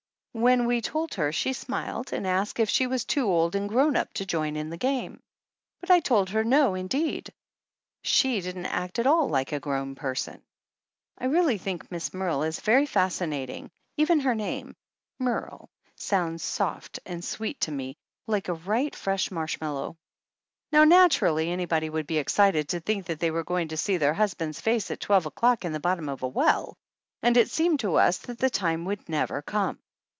When we told her she smiled and asked if she was too old and grown up to join in the game, but I told her no indeed, she didn't act at all like a grown person. I really think Miss Merle is very fascinating. 173 THE ANNALS OF ANN Even her name, Merle, sounds soft and sweet to me, like a right fresh marshmallow. Now, naturally anybody would be excited to think that they were going to see their husband's face at twelve o'clock in the bottom of a well, and it seemed to us that the time never would come.